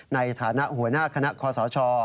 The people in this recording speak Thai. ในฐานะหัวหน้าคณะคอสช